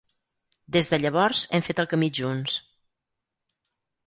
Des de llavors hem fet el camí junts.